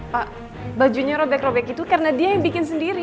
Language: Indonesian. pak bajunya robek robek itu karena dia yang bikin sendiri